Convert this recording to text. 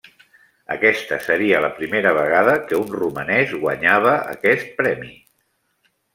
Aquesta seria la primera vegada que un romanès guanyava aquest premi.